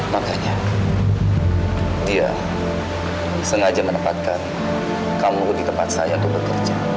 makanya dia sengaja menempatkan kamu di tempat saya untuk bekerja